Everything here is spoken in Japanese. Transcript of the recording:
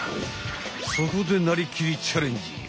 そこで「なりきり！チャレンジ！」